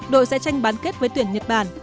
đội sẽ tranh bán kết với tuyển nhật bản